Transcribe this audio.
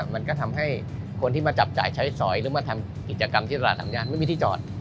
มันก็ทำให้คนที่มาจับจ่ายใช้สอยหรือมาทำกิจกรรมที่ตลาดสามย่านไม่มีที่จอด